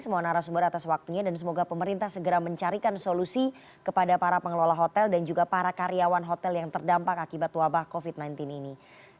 semua narasumber atas waktunya dan semoga pemerintah segera mencarikan solusi kepada para pengelola hotel dan juga para karyawan hotel yang terdampak akibat wabah covid sembilan belas ini